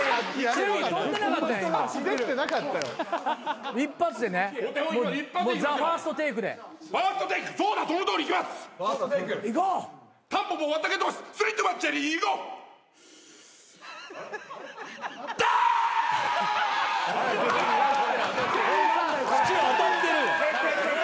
口当たってるよ。